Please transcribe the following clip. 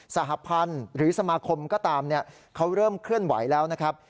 สหพันธ์หรือสมาคมก็ตามเขาเริ่มเคลื่อนไหวแล้วนะครับ